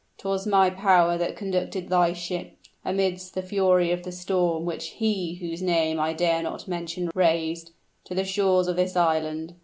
'Twas my power that conducted thy ship, amidst the fury of the storm which He whose name I dare not mention raised, to the shores of this island.